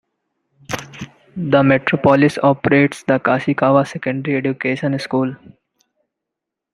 The metropolis operates the Koishikawa Secondary Education School.